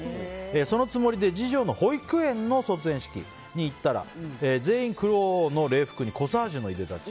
そのつもりで次女の保育園の卒園式に行ったら全員、黒の礼服にコサージュのいでたち。